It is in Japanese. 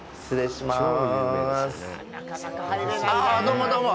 ああ、どうもどうも。